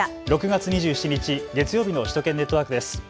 ６月２７日、月曜日の首都圏ネットワークです。